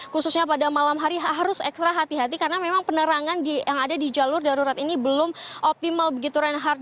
khususnya pada malam hari harus ekstra hati hati karena memang penerangan yang ada di jalur darurat ini belum optimal begitu reinhardt